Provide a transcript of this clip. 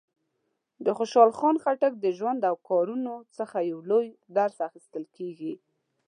د خوشحال خان خټک د ژوند او کارونو څخه یو لوی درس اخیستل کېږي.